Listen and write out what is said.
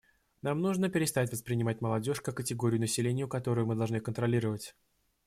Нам нужно перестать воспринимать молодежь как категорию населения, которую мы должны контролировать.